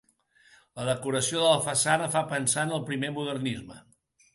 La decoració de la façana fa pensar en el primer modernisme.